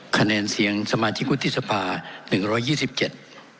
คะแนนเสียงสมาชิกวุฒิสภาหนึ่งร้อยยี่สิบเจ็ด